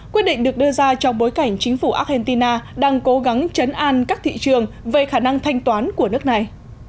quyết định được đưa ra trong bối cảnh chính phủ argentina đang cố gắng chấn an các thị trường về khả năng thanh toán của nước này